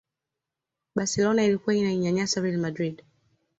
barcelona ilikuwa inainyanyasa real madrid